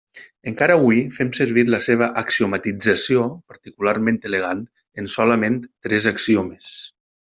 Encara avui fem servir la seva axiomatització particularment elegant en solament tres axiomes.